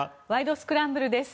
スクランブル」です。